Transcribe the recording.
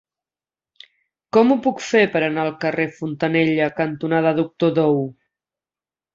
Com ho puc fer per anar al carrer Fontanella cantonada Doctor Dou?